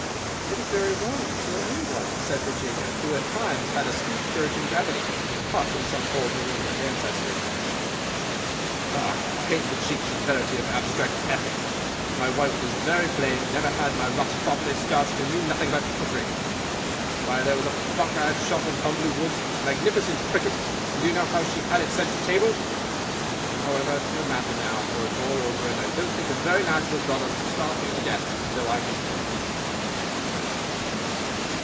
"It is very wrong to kill any one," said Virginia, who at times had a sweet puritan gravity, caught from some old New England ancestor. "Oh, I hate the cheap severity of abstract ethics! My wife was very plain, never had my ruffs properly starched, and knew nothing about cookery. Why, there was a buck I had shot in Hogley Woods, a magnificent pricket, and do you know how she had it sent to table? However, it is no matter now, for it is all over, and I don't think it was very nice of her brothers to starve me to death, though I did kill her."